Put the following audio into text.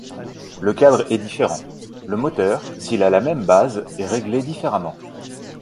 Le cadre est différent, le moteur s'il a la même base, est réglé différemment.